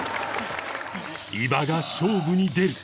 伊庭が勝負に出る